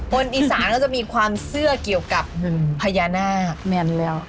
อีสานก็จะมีความเชื่อเกี่ยวกับพญานาคแน่นแล้ว